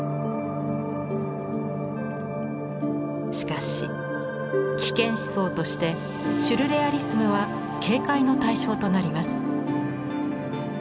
しかし危険思想としてシュルレアリスムは警戒の対象となります。